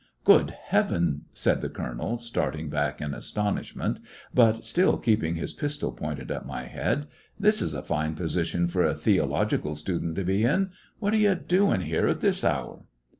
"Gk)od heaven !" said the colonel, starting 155 llecoUections of a back in astonishment, but still keeping his pistol pointed at my head, "this is a fine po sition for a theological student to be in. What are you doing here at this hour!"